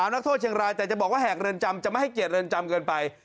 นักโทษเชียงรายแต่จะบอกว่าหากเรือนจำจะไม่ให้เกียรติเรือนจำเกินไป